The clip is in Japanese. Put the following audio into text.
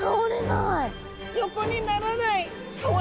横にならない！